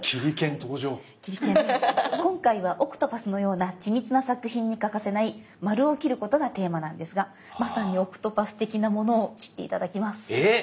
今回はオクトパスのような緻密な作品に欠かせない「丸」を切ることがテーマなんですがまさにオクトパス的なものを切って頂きます。